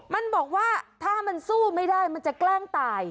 มันบอกว่าถ้ามันสู้ไม่ได้มันจะแกล้งตาย